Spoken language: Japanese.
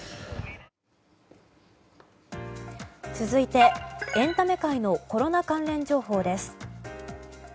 続いて、エンタメ界のコロナ関連情報です。